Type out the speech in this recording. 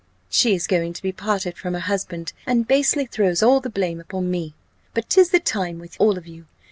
she is going to be parted from her husband, and basely throws all the blame upon me. But 'tis the same with all of you.